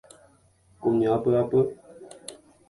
Kuña pyapy